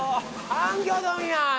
ハンギョドンや！